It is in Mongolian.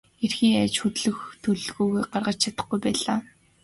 Хэрхэн яаж хөдлөх төлөвлөгөөгөө гаргаж чадахгүй байлаа.